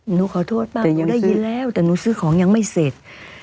หนูขอโทษบ้างแต่ยังได้ยินแล้วแต่หนูซื้อของยังไม่เสร็จ